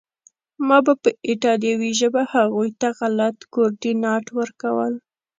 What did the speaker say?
ما به په ایټالوي ژبه هغوی ته غلط کوردینات ورکول